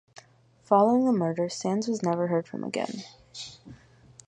Following the murder, Sands was never heard from again.